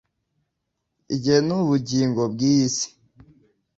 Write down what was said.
igihe ni ubugingo bwiyi si.